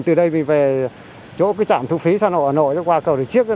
từ đây mình về chỗ cái trạm thu phí sa nội hà nội qua cầu địa chiếc